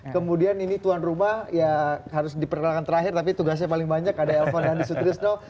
kemudian ini tuan rumah ya harus diperkenalkan terakhir tapi tugasnya paling banyak ada elvan dandi sutrisno